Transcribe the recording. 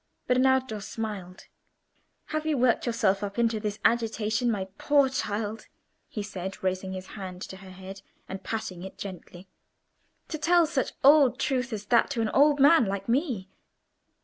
Bernardo smiled. "Have you worked yourself up into this agitation, my poor child," he said, raising his hand to her head and patting it gently, "to tell such old truth as that to an old man like me?"